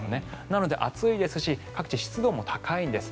なので暑いですし各地、湿度も高いんです。